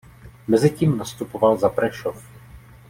Mezitím nastupoval za Prešov.